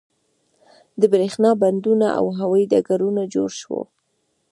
د بریښنا بندونه او هوایی ډګرونه جوړ شول.